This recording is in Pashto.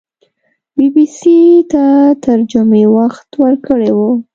بي بي سي ته تر جمعې وخت ورکړی وو